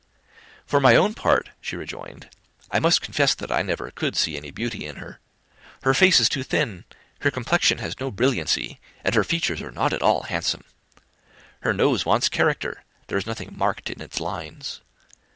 "For my own part," she rejoined, "I must confess that I never could see any beauty in her. Her face is too thin; her complexion has no brilliancy; and her features are not at all handsome. Her nose wants character; there is nothing marked in its lines.